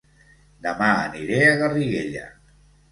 Dema aniré a Garriguella